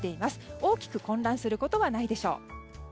大きく混乱することはないでしょう。